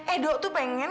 edo tuh pengen